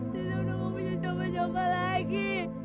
saya sudah mau punya jomba jomba lagi